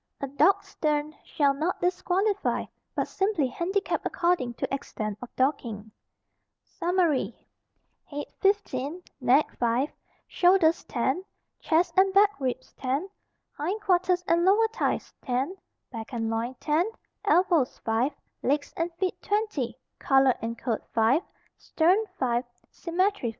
A docked stern shall not disqualify, but simply handicap according to extent of docking. SUMMARY. Head 15, neck 5, shoulders 10, chest and back ribs 10, hindquarters and lower thighs 10, back and loin 10, elbows 5, legs and feet 20, color and coat 5, stern 5, symmetry 5.